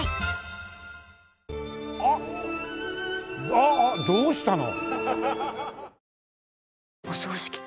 ああどうしたの？